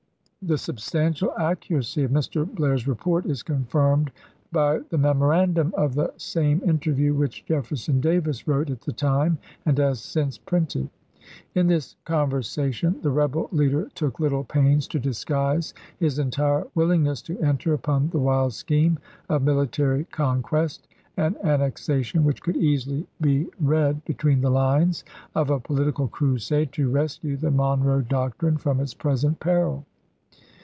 The substantial accuracy of Mr. Blair's report is confirmed by the memorandum of the same inter view which Jefferson Davis wrote at the time and has since printed. In this conversation the rebel leader took little pains to disguise his entire will ingness to enter upon the wild scheme of military conquest and annexation which could easily be BLAIR'S MEXICAN PROJECT 107 read between the lines of a political crusade to chap. v. rescue the Monroe Doctrine from its present peril.